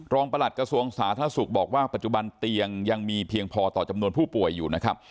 ประหลัดกระทรวงสาธารณสุขบอกว่าปัจจุบันเตียงยังมีเพียงพอต่อจำนวนผู้ป่วยอยู่นะครับ